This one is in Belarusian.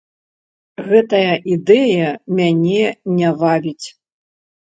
Гэтая ідэя мяне не вабіць.